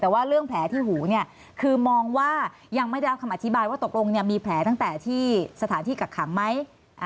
แต่ว่าเรื่องแผลที่หูเนี่ยคือมองว่ายังไม่ได้รับคำอธิบายว่าตกลงมีแผลตั้งแต่ที่สถานที่กักขังไหม